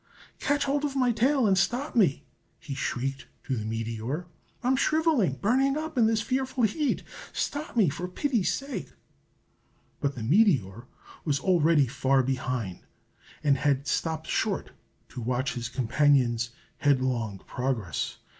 "Catch hold of my tail and stop me!" he shrieked to the meteor. "I am shrivelling, burning up, in this fearful heat! Stop me, for pity's sake!" But the meteor was already far behind, and had stopped short to watch his companion's headlong progress.